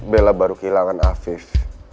bella baru kehilangan afif